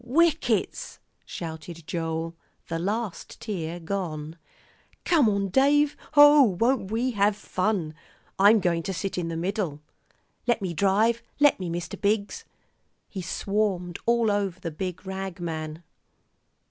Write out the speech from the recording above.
"Whickets!" shouted Joel, the last tear gone. "Come on, Dave. Oh, won't we have fun! I'm going to sit in the middle. Let me drive. Let me, Mr. Biggs." He swarmed all over the big rag man.